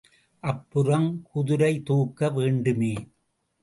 அப்புறம் குதிரைதூக்க வேண்டுமே!